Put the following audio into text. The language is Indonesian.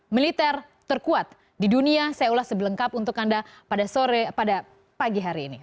militer terkuat di dunia saya ulas sebelengkap untuk anda pada pagi hari ini